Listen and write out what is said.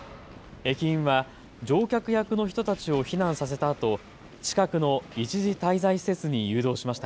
駅員は乗客役の人たちを避難させたあと近くの一時滞在施設に誘導しました。